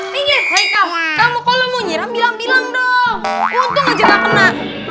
minggir hai kamu kalau mau nyiram bilang bilang dong untuk juga kena